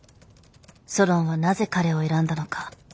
ソロンはなぜ彼を選んだのか。